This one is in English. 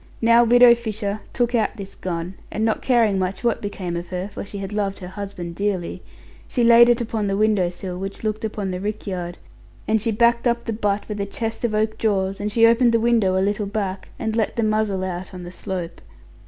Now Widow Fisher took out this gun, and not caring much what became of her (for she had loved her husband dearly), she laid it upon the window sill, which looked upon the rick yard; and she backed up the butt with a chest of oak drawers, and she opened the window a little back, and let the muzzle out on the slope.